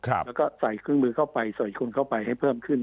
แล้วก็ใส่เครื่องมือเข้าไปใส่คุณเข้าไปให้เพิ่มขึ้น